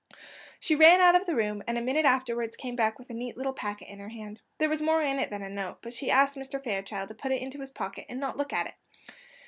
She ran out of the room, and a minute afterwards came back with a neat little packet in her hand. There was more in it than a note, but she asked Mr. Fairchild to put it into his pocket, and not look at it.